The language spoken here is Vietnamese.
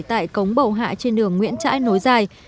tại cống bầu hạ trên đường nguyễn trãi nối dài